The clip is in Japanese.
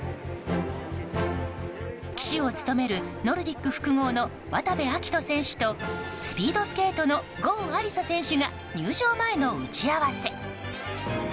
旗手を務めるノルディック複合の渡部暁斗選手とスピードスケートの郷亜里砂選手が入場前の打ち合わせ。